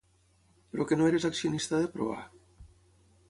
Però que no eres accionista de Proa?